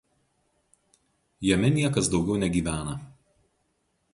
Jame niekas daugiau negyvena.